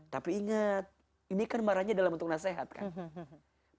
tapi ingat ini kan marahnya dalam bentuk nasihat kan